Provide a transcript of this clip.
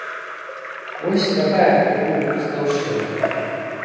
Вось такая крыху густаўшчына.